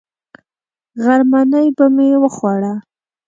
غرمنۍ به مې وخوړه.